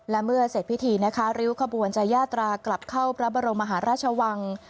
และเมื่อเสร็จพิธีนะคะริ้วขบวนจะยาตรากลับเข้าพระบรมมหาราชวัง